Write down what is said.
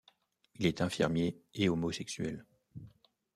Il est infirmier et homosexuel.